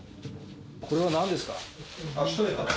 これはなんですか？